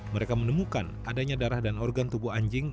mereka menemukan adanya darah dan organ tubuh anjing